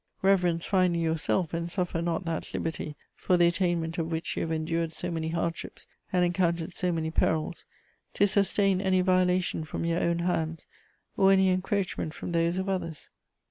Reverence, finally, yourself, and suffer not that liberty, for the attainment of which you have endured so many hardships and encountered so many perils, to sustain any violation from your own hands, or any encroachment from those of others.